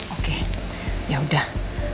oke ya udah